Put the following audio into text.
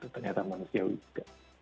ternyata manusia juga